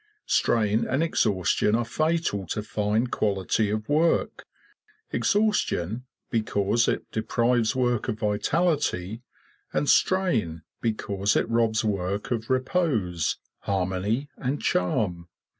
Strain and exhaustion are fatal to fine quality of work, exhaustion, because it deprives work of vitality; and strain, because it robs work of repose, harmony, and charm.